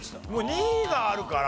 ２位があるから。